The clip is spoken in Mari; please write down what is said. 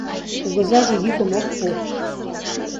Кугызаже йӱкым ок пу.